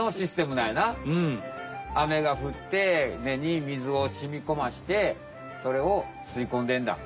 雨がふって根に水をしみこましてそれをすいこんでんだ。